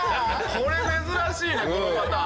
これ珍しいねこのパターン。